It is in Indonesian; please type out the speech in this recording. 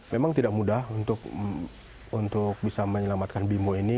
memang tidak mudah untuk bisa menyelamatkan bimo ini